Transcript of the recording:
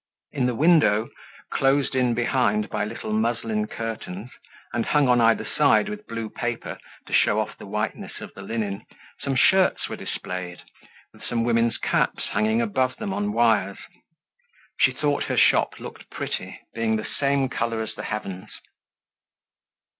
In the window, closed in behind by little muslin curtains, and hung on either side with blue paper to show off the whiteness of the linen, some shirts were displayed, with some women's caps hanging above them on wires. She thought her shop looked pretty, being the same color as the heavens.